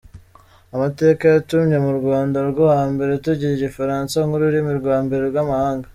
Amateka yatumye mu Rwanda rwo hambere tugira Igifaransa nk’ururimi rwa mbere rw’amahanga.